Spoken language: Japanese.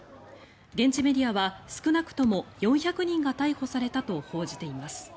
現地メディアは少なくとも４００人が逮捕されたと報じています。